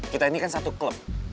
kita ini kan satu klub